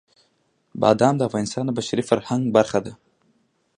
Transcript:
بادام د افغانستان د بشري فرهنګ برخه ده.